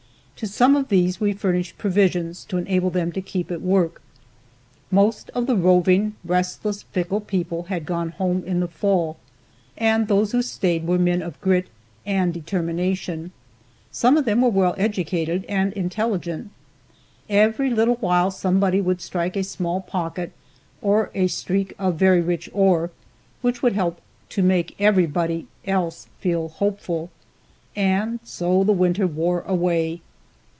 To some of these we furnished provisions to enable them to keep at work. Most of the roving, restless, fickle people had gone home in the fall and those who stayed were men of grit and determination. Some of them were well educated and intelligent. Every little while somebody would strike a small pocket, or a streak of very rich ore, which would help to make everybody else feel hopeful. And so the winter wore away.